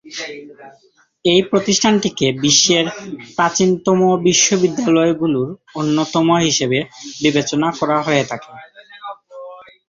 এই প্রতিষ্ঠানটিকে বিশ্বের প্রাচীনতম বিশ্ববিদ্যালয়গুলোর অন্যতম হিসেবে বিবেচনা করা হয়ে থাকে।